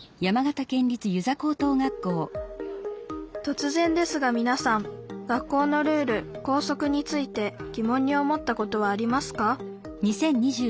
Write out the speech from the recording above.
とつぜんですがみなさん学校のルール「校則」についてぎもんに思ったことはありますか？